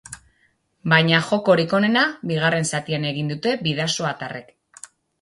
Baina jokorik onena, bigarren zatian egin dute bidasoatarrek.